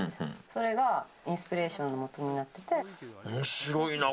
それが、インスピレーションの元になって。